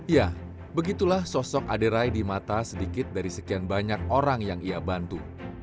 ya begitulah sosok aderai di mata sedikit dari sekian banyak orang yang ia bantu